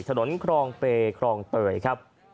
ถนนครองเปครองเต๋ยครับ